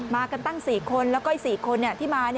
มากันตั้ง๔คนแล้วก็อีก๔คนที่มา